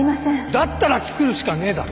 だったら作るしかねえだろ！？